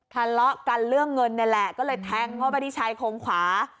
ทะเลาะกันเรื่องเงินนี่แหละก็เลยแทงเข้าไปที่ชายโครงขวา